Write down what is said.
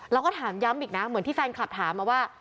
เราก็ถามย้ำอีกนะเหมือนที่แฟนคลับถามมาว่า